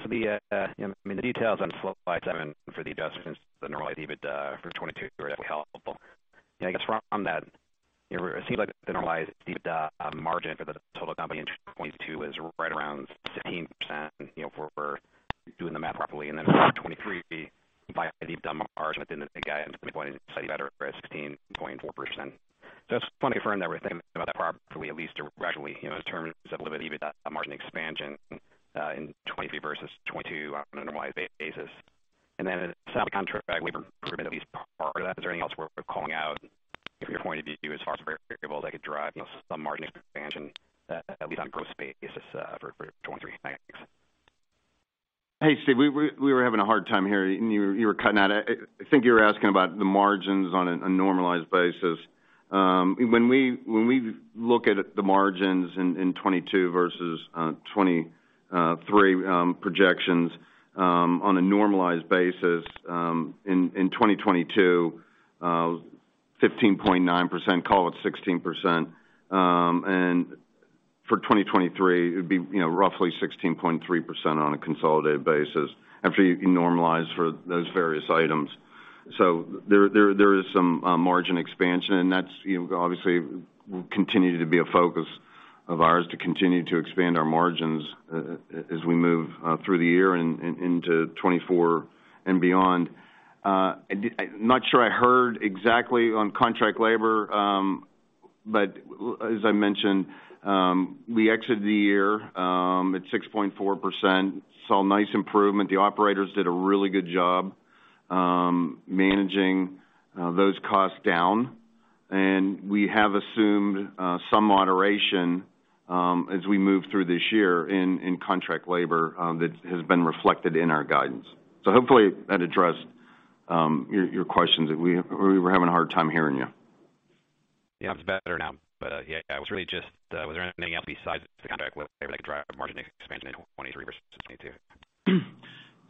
Speaker 12: The, you know, I mean, the details on slide seven for the adjustments, the normalized EBITDA, for 2022 were definitely helpful. You know, I guess from that, you know, it seems like the normalized EBITDA margin for the total company in 2022 is right around 16%, you know, for doing the math properly. Then for 2023, via the EBITDA margin within the guidance 16.4%. I just want to confirm that we're thinking about that properly, at least gradually, you know, in terms of a little bit of EBITDA margin expansion, in 2023 versus 2022 on a normalized basis. Then it sounds like contract labor improvement, at least part of that. Is there anything else worth calling out from your point of view as far as variables that could drive, you know, some margin expansion, at least on a growth basis, for 2023?
Speaker 4: Hey, Steven. We were having a hard time hearing you. You were cutting out. I think you were asking about the margins on a normalized basis. When we look at the margins in 2022 versus 2023 projections on a normalized basis in 2022, 15.9%, call it 16%. For 2023, it would be, you know, roughly 16.3% on a consolidated basis after you normalize for those various items. There is some margin expansion, and that's, you know, obviously will continue to be a focus of ours to continue to expand our margins as we move through the year and into 2024 and beyond. I'm not sure I heard exactly on contract labor. As I mentioned, we exited the year at 6.4%. Saw nice improvement. The operators did a really good job managing those costs down. We have assumed some moderation as we move through this year in contract labor that has been reflected in our guidance. Hopefully that addressed your questions. We were having a hard time hearing you.
Speaker 12: Yeah, it's better now. Yeah, I was really just, was there anything else besides the contract labor that could drive margin expansion in 2023 versus 2022?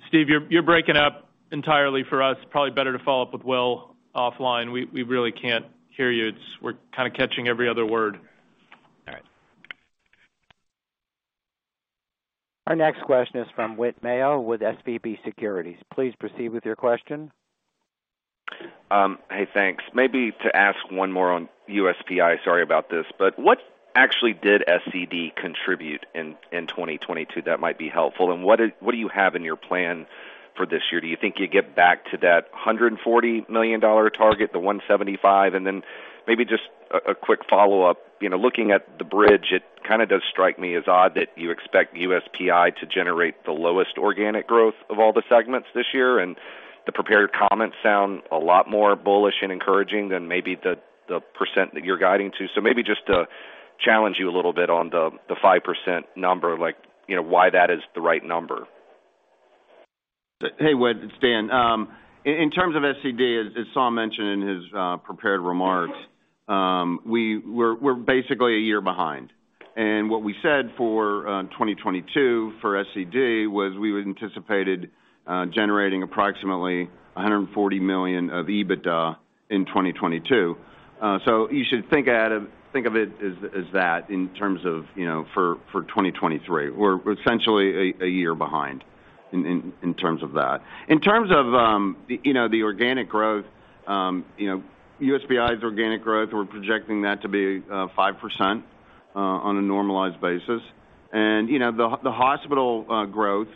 Speaker 3: Steve, you're breaking up entirely for us. Probably better to follow up with Will offline. We really can't hear you. We're kinda catching every other word.
Speaker 12: All right.
Speaker 1: Our next question is from Whit Mayo with SVB Securities. Please proceed with your question.
Speaker 13: Hey, thanks. Maybe to ask one more on USPI, sorry about this, but what actually did SCD contribute in 2022 that might be helpful? What do you have in your plan for this year? Do you think you get back to that $140 million target, the $175 million? Then maybe just a quick follow-up. You know, looking at the bridge, it kinda does strike me as odd that you expect USPI to generate the lowest organic growth of all the segments this year, and the prepared comments sound a lot more bullish and encouraging than maybe the percent that you're guiding to. Maybe just to challenge you a little bit on the 5% number, like, you know, why that is the right number.
Speaker 4: Hey, Whit, it's Dan. In terms of SCD, as Saum mentioned in his prepared remarks. We're basically a year behind. What we said for 2022 for SCD was we would anticipated generating approximately $140 million of EBITDA in 2022. You should think of it, think of it as that in terms of, you know, for 2023. We're essentially a year behind in terms of that. In terms of, you know, the organic growth, you know, USPI's organic growth, we're projecting that to be 5% on a normalized basis. You know, the hospital growth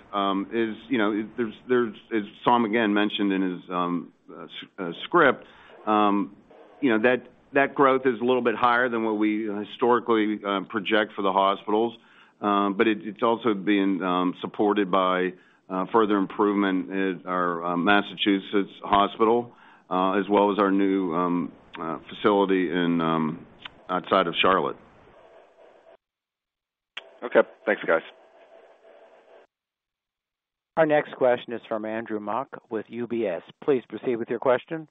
Speaker 4: is, you know, as Saum, again, mentioned in his script, you know, that growth is a little bit higher than what we historically project for the hospitals. It's also being supported by further improvement at our Massachusetts hospital, as well as our new facility outside of Charlotte.
Speaker 13: Okay. Thanks, guys.
Speaker 1: Our next question is from Andrew Mok with UBS. Please proceed with your question.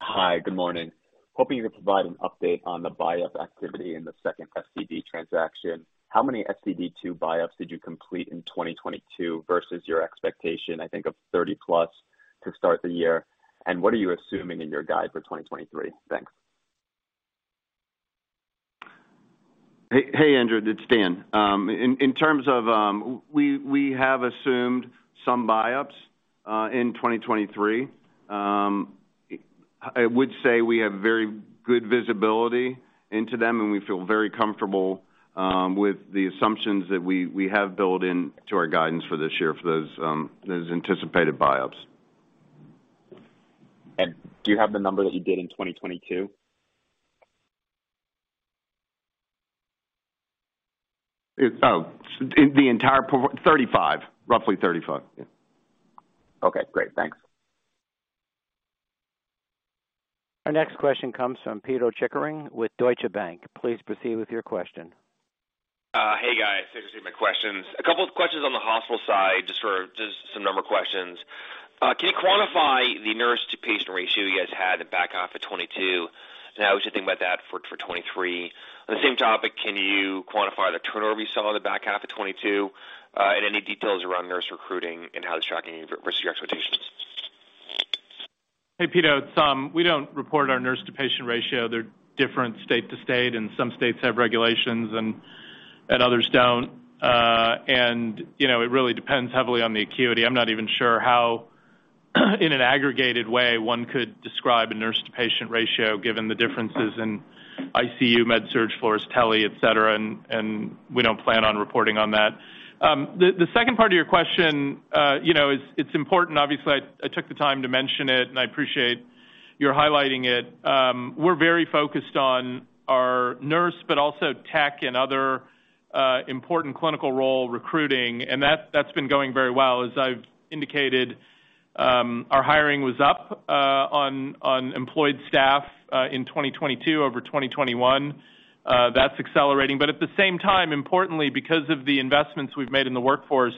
Speaker 14: Hi. Good morning. Hoping you could provide an update on the buyup activity in the second SCD transaction. How many SCD two buyups did you complete in 2022 versus your expectation, I think of 30+ to start the year? What are you assuming in your guide for 2023? Thanks.
Speaker 4: Hey, Andrew. It's Dan. In terms of, we have assumed some buyups in 2023. I would say we have very good visibility into them, and we feel very comfortable with the assumptions that we have built into our guidance for this year for those anticipated buyups.
Speaker 14: Do you have the number that you did in 2022?
Speaker 4: Oh, in the entire 35%. Roughly 35%. Yeah.
Speaker 14: Okay, great. Thanks.
Speaker 1: Our next question comes from Pito Chickering with Deutsche Bank. Please proceed with your question.
Speaker 15: Hey, guys. Thanks for taking my questions. A couple of questions on the hospital side, just some number questions. Can you quantify the nurse-to-patient ratio you guys had in the back half of 2022, and how we should think about that for 2023? On the same topic, can you quantify the turnover you saw in the back half of 2022, and any details around nurse recruiting and how that's tracking versus your expectations?
Speaker 3: Hey, Pito. It's Saum. We don't report our nurse-to-patient ratio. They're different state to state, and some states have regulations and others don't. You know, it really depends heavily on the acuity. I'm not even sure how in an aggregated way one could describe a nurse-to-patient ratio given the differences in ICU, med surg floors, tele, et cetera, and we don't plan on reporting on that. The second part of your question, you know, it's important. Obviously, I took the time to mention it, and I appreciate your highlighting it. We're very focused on our nurse, but also tech and other important clinical role recruiting, and that's been going very well. As I've indicated, our hiring was up on employed staff in 2022 over 2021. That's accelerating. At the same time, importantly, because of the investments we've made in the workforce,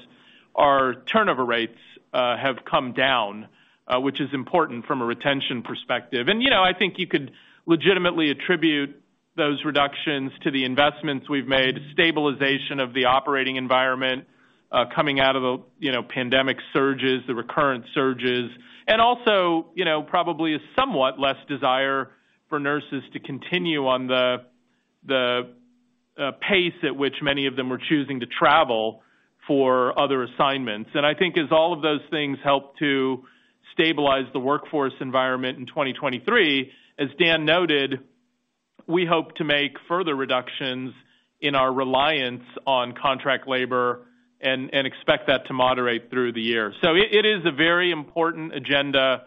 Speaker 3: our turnover rates, have come down, which is important from a retention perspective. You know, I think you could legitimately attribute those reductions to the investments we've made, stabilization of the operating environment, coming out of the, you know, pandemic surges, the recurrent surges, and also, you know, probably a somewhat less desire for nurses to continue on the pace at which many of them were choosing to travel for other assignments. I think as all of those things help to stabilize the workforce environment in 2023, as Dan noted, we hope to make further reductions in our reliance on contract labor and expect that to moderate through the year. It is a very important agenda,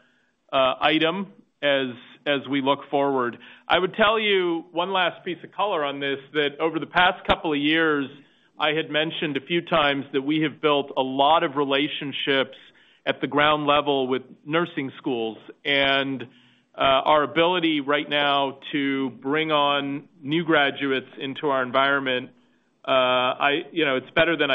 Speaker 3: item as we look forward. I would tell you one last piece of color on this, that over the past couple of years, I had mentioned a few times that we have built a lot of relationships at the ground level with nursing schools. Our ability right now to bring on new graduates into our environment, you know, it's better than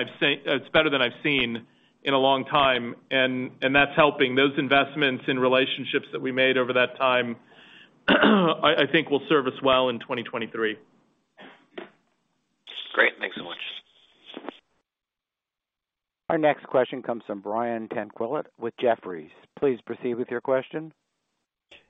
Speaker 3: I've seen in a long time, and that's helping. Those investments in relationships that we made over that time, I think will serve us well in 2023.
Speaker 15: Great. Thanks so much.
Speaker 1: Our next question comes from Brian Tanquilut with Jefferies. Please proceed with your question.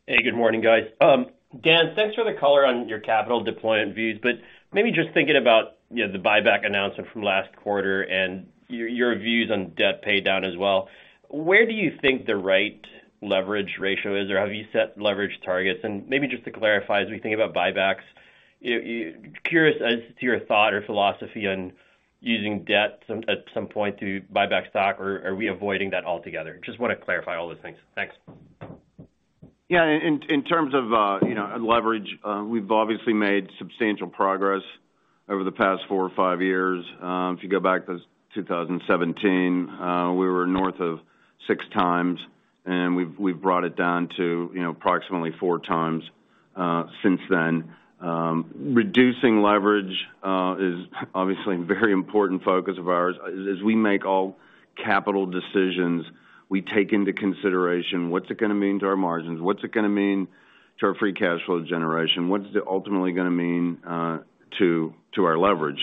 Speaker 16: Hey, good morning, guys. Dan, thanks for the color on your capital deployment views, but maybe just thinking about, you know, the buyback announcement from last quarter and your views on debt paydown as well, where do you think the right leverage ratio is, or have you set leverage targets? Maybe just to clarify, as we think about buybacks, you curious as to your thought or philosophy on using debt at some point to buy back stock, or are we avoiding that altogether? Just wanna clarify all those things. Thanks.
Speaker 4: Yeah. In terms of, you know, leverage, we've obviously made substantial progress over the past five or five years. If you go back to 2017, we were north of 6x and we've brought it down to, you know, approximately 4x. Since then, reducing leverage is obviously a very important focus of ours. As we make all capital decisions, we take into consideration what's it gonna mean to our margins? What's it gonna mean to our free cash flow generation? What's it ultimately gonna mean to our leverage?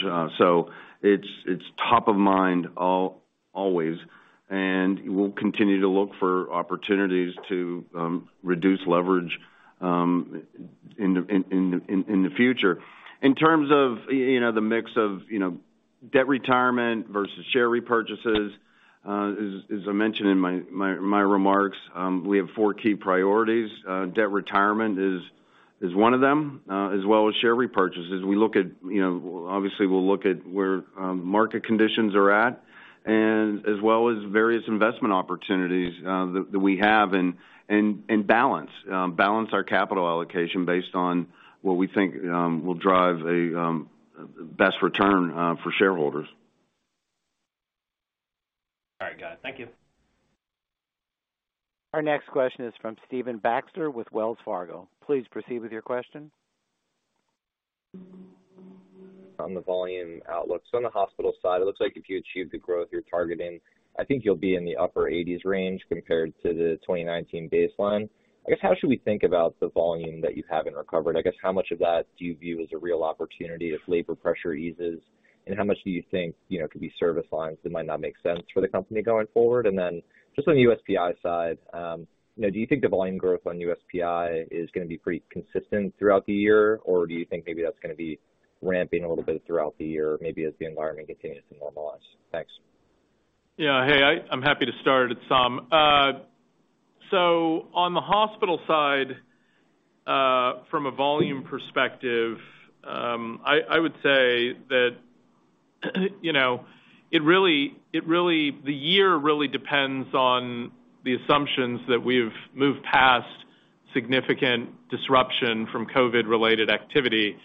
Speaker 4: It's top of mind always, and we'll continue to look for opportunities to reduce leverage in the future. In terms of, you know, the mix of, you know, debt retirement versus share repurchases, as I mentioned in my remarks, we have four key priorities. Debt retirement is one of them, as well as share repurchases. We look at, you know, obviously, we'll look at where market conditions are at and as well as various investment opportunities that we have and balance our capital allocation based on what we think will drive a best return for shareholders.
Speaker 16: All right, guys. Thank you.
Speaker 1: Our next question is from Stephen Baxter with Wells Fargo. Please proceed with your question.
Speaker 17: On the volume outlook. On the hospital side, it looks like if you achieve the growth you're targeting, I think you'll be in the upper 80s range compared to the 2019 baseline. I guess, how should we think about the volume that you haven't recovered? I guess, how much of that do you view as a real opportunity if labor pressure eases? How much do you think, you know, could be service lines that might not make sense for the company going forward? Just on the USPI side, you know, do you think the volume growth on USPI is gonna be pretty consistent throughout the year? Do you think maybe that's gonna be ramping a little bit throughout the year, maybe as the environment continues to normalize? Thanks.
Speaker 3: Yeah. Hey, I'm happy to start it, Saum. On the hospital side, from a volume perspective, I would say that, you know, The year really depends on the assumptions that we've moved past significant disruption from COVID-related activity.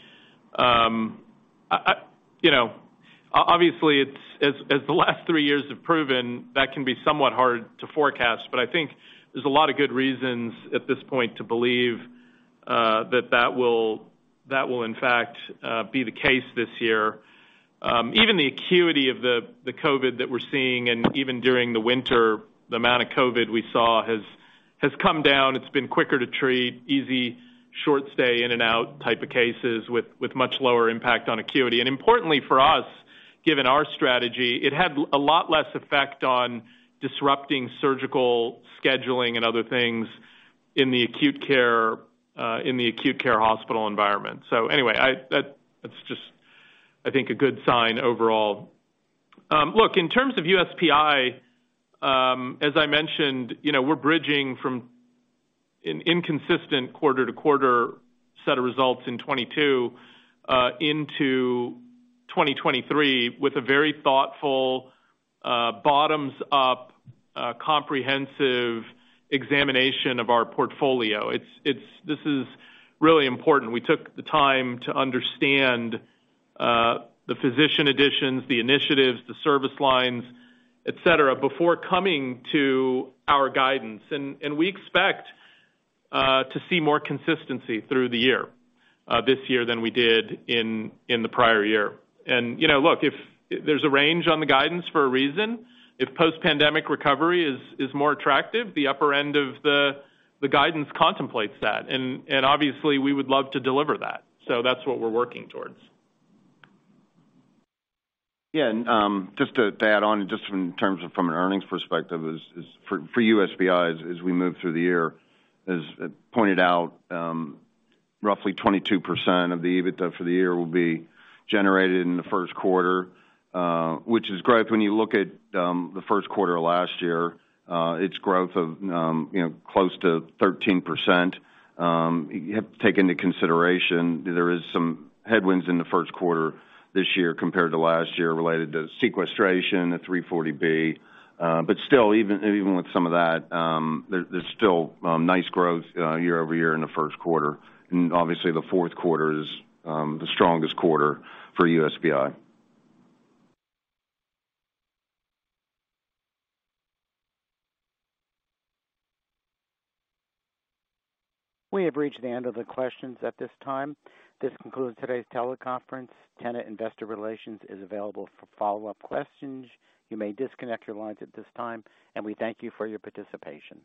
Speaker 3: You know, obviously, as the last three years have proven, that can be somewhat hard to forecast. I think there's a lot of good reasons at this point to believe that will in fact be the case this year. Even the acuity of the COVID that we're seeing, and even during the winter, the amount of COVID we saw has come down. It's been quicker to treat, easy, short stay in and out type of cases with much lower impact on acuity. Importantly for us, given our strategy, it had a lot less effect on disrupting surgical scheduling and other things in the acute care in the acute care hospital environment. Anyway, that's just, I think, a good sign overall. Look, in terms of USPI, as I mentioned, you know, we're bridging from inconsistent quarter to quarter set of results in 2022 into 2023 with a very thoughtful, bottoms up, comprehensive examination of our portfolio. This is really important. We took the time to understand the physician additions, the initiatives, the service lines, et cetera, before coming to our guidance. We expect to see more consistency through the year this year than we did in the prior year. You know, look, if there's a range on the guidance for a reason, if post-pandemic recovery is more attractive, the upper end of the guidance contemplates that. Obviously, we would love to deliver that. That's what we're working towards.
Speaker 4: Yeah. Just to add on, just in terms of from an earnings perspective is for USPI, as we move through the year, as pointed out, roughly 22% of the EBITDA for the year will be generated in the first quarter, which is great when you look at the first quarter of last year, its growth of, you know, close to 13%. You have to take into consideration there is some headwinds in the first quarter this year compared to last year related to sequestration at 340B. Still, even with some of that, there's still nice growth year-over-year in the first quarter. Obviously, the fourth quarter is the strongest quarter for USPI.
Speaker 1: We have reached the end of the questions at this time. This concludes today's teleconference. Tenet Investor Relations is available for follow-up questions. You may disconnect your lines at this time, and we thank you for your participation.